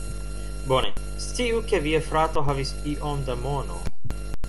Bone, sciu ke via frato havis iom da mono